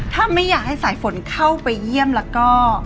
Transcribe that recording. ถ้าไม่อยากให้สายฝนเข้าไปเยี่ยมแล้วก็